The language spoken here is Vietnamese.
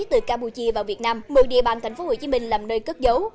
từ campuchia vào việt nam một mươi địa bàn tp hcm làm nơi cất dấu